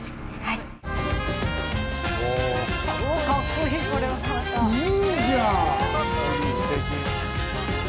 いいじゃん！